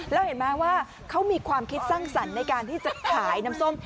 แล้วเห็นไหมว่าเขามีความคิดสร้างสรรค์ในการที่จะขายน้ำส้ม